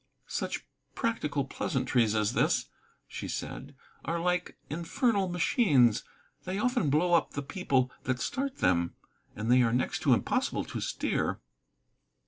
"Such practical pleasantries as this," she said, "are like infernal machines: they often blow up the people that start them. And they are next to impossible to steer."